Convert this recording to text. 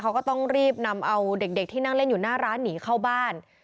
เขาก็ต้องรีบนำเอาเด็กที่นั่งเล่นอยู่หน้าร้านหนีเข้าบ้าน